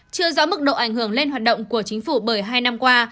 chưa rõ mức độ ảnh hưởng lên hoạt động của chính phủ bởi hai năm qua